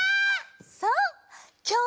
そう！